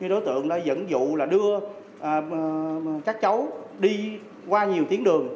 đối tượng đã dẫn dụ đưa các cháu đi qua nhiều tuyến đường